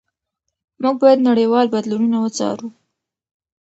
موږ باید نړیوال بدلونونه وڅارو.